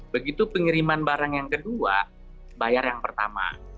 begitu pengiriman barang yang kedua bayar yang pertama